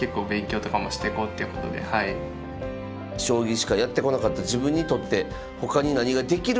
将棋しかやってこなかった自分にとってほかに何ができるのか。